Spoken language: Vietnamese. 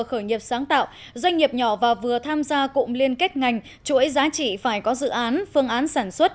khởi nghiệp sáng tạo doanh nghiệp nhỏ và vừa tham gia cụm liên kết ngành chuỗi giá trị phải có dự án phương án sản xuất